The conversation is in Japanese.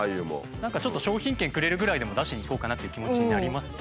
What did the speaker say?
何かちょっと商品券くれるぐらいでも出しにいこうかなっていう気持ちになりますよね。